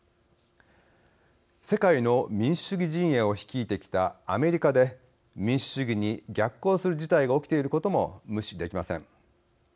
世界の民主主義陣営を率いてきたアメリカで、民主主義に逆行する事態が起きていることも無視できません。